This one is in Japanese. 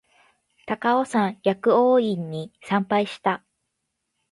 高尾山薬王院に参拝した